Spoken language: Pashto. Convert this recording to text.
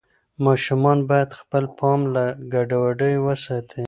ماشومان باید خپل پام له ګډوډۍ وساتي.